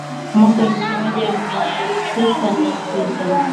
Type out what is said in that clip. mwaka elfu moja mia tisa na sita